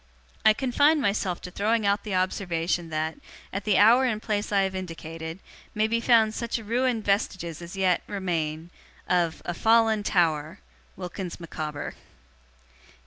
I confine myself to throwing out the observation, that, at the hour and place I have indicated, may be found such ruined vestiges as yet 'Remain, 'Of 'A 'Fallen Tower, 'WILKINS MICAWBER.